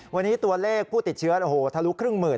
วันนี้ตัวเลขผู้ติดเชื้อโอ้โหทะลุครึ่งหมื่น